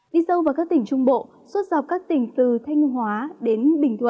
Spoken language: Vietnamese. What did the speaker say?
đi sâu vào các tỉnh trung bộ xuất dọc các tỉnh từ thanh hóa đến bình thuận